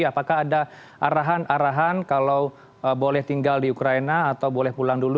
apakah ada arahan arahan kalau boleh tinggal di ukraina atau boleh pulang dulu